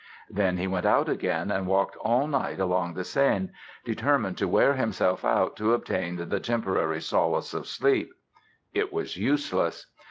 Then he went out again and walked all night along the Seine, determined to wear himself out to obtain the temporary solace of sleep. It was useless.